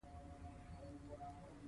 بوټونه د هرچا اړتیا ده.